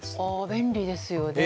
便利ですよね。